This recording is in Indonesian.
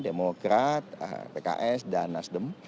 demokrat pks dan nasdem